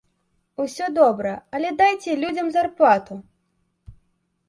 Усё добра, але дайце людзям зарплату!